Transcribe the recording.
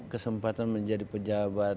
kesempatan menjadi pejabat